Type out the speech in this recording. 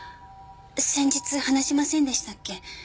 先日話しませんでしたっけ？